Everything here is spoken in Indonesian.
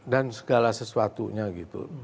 dan segala sesuatunya gitu